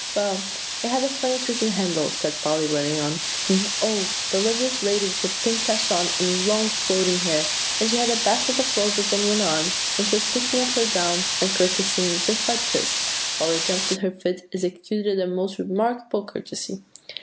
"Well, it had a funny twisted handle," said Polly, hurrying on; "and oh! the loveliest lady with a pink sash, and long, floating hair; and she had a basket of roses on one arm, and she was picking up her gown and courtesying just like this." Polly jumped to her feet, and executed a most remarkable courtesy.